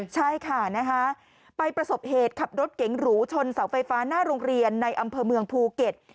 ใช่ค่ะไปประสบเหตุขับรถเก๋งหรูชนเสาไฟฟ้าหน้าโรงเรียนในอำเภอเมืองภูเก็ต